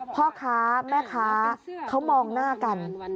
พ่อค้าแม่ค้าเขามองหน้ากัน